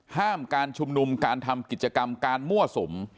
การชุมนุมการทำกิจกรรมการมั่วสุม